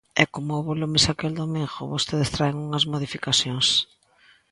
E, como houbo lumes aquel domingo, vostedes traen unhas modificacións.